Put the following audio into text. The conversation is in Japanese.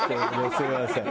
すみません。